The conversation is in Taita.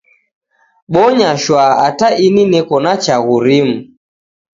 Bonya shwaa ata ini neko na chaghu rimu.